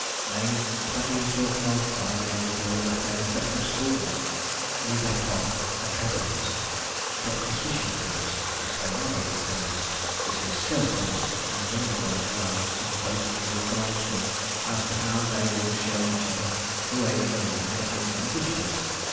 Nay, it had been talked of by the elder boys at their respective schools we beg pardon, academies Dr. Switchington's, Mr. Latherington's, Mrs. Skelper's, and a liberal allowance of boasting indulged in, as to how they would show each other the way over the hedges and ditches.